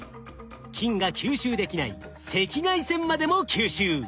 金が吸収できない赤外線までも吸収。